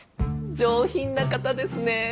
上品な方ですね。